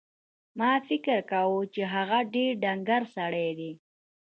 ما فکر کاوه چې هغه ډېر ډنګر سړی دی.